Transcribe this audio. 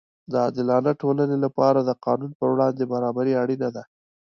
د عادلانه ټولنې لپاره د قانون پر وړاندې برابري اړینه ده.